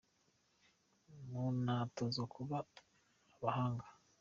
Munahatozwe kuba abahanga